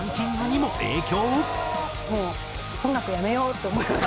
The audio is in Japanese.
もう音楽やめようって思いましたね。